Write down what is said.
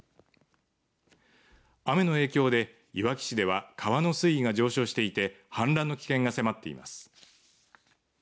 雨の影響でいわき市では川の水位が上昇していて氾濫の危険が迫っています。